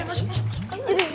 masuk masuk masuk